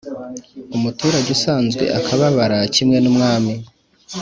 umuturage usanzwe akababara kimwe n’umwami.